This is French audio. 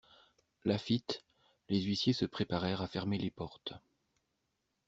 Laffitte, les huissiers se préparèrent à fermer les portes.